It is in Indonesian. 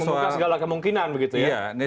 membuka segala kemungkinan begitu ya